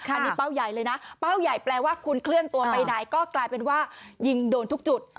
อันนี้เป้าใหญ่เลยนะเป้าใหญ่แปลว่าคุณเคลื่อนตัวไปไหนก็กลายเป็นว่ายิงโดนทุกจุด